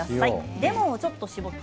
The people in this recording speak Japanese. レモンをちょっと搾って。